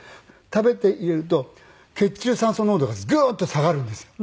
食べていると血中酸素濃度がグーッと下がるんですよ。